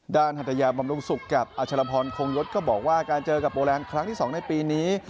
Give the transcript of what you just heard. ฮัตยาบำรุงสุขกับอัชรพรคงยศก็บอกว่าการเจอกับโปรแลนด์ครั้งที่๒ในปีนี้